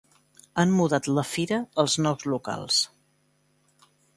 Han mudat la fira als nous locals.